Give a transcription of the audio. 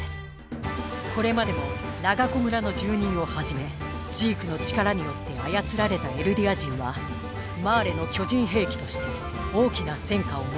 これまでもラガコ村の住人をはじめジークの力によって操られたエルディア人はマーレの巨人兵器として大きな戦果をもたらしてきました。